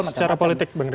secara politik bang rizky